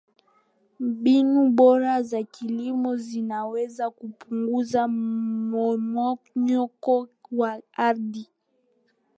Mbinu bora za kilimo zinaweza kupunguza mmomonyoko wa ardhi